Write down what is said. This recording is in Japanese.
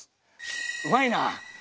うまいな！